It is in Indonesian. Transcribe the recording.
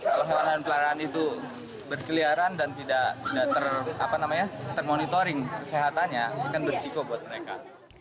kalau hewan peliharaan itu berkeliaran dan tidak termonitoring kesehatannya akan bersikopat mereka